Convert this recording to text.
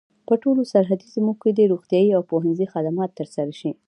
په ټولو سرحدي سیمو کي دي روغتیايي او د پوهني خدمات تر سره سي.